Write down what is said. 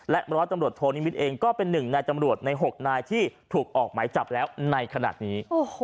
ร้อยตำรวจโทนิมิตรเองก็เป็นหนึ่งในตำรวจใน๖นายที่ถูกออกหมายจับแล้วในขณะนี้